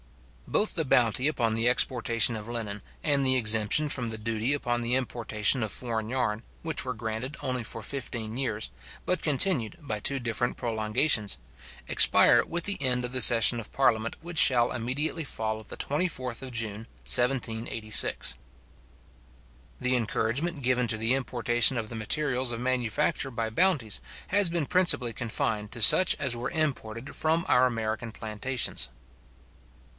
Both the bounty upon the exportation of linen, and the exemption from the duty upon the importation of foreign yarn, which were granted only for fifteen years, but continued by two different prolongations, expire with the end of the session of parliament which shall immediately follow the 24th of June 1786. The encouragement given to the importation of the materials of manufacture by bounties, has been principally confined to such as were imported from our American plantations.